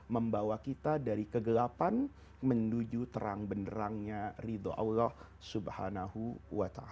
membawa kita dari kegelapan menuju terang benerangnya ridho allah swt